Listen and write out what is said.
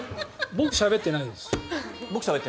僕、しゃべってないです。